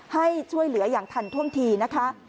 ให้ช่วยเหลืออย่างทันท่วงทีนะคะ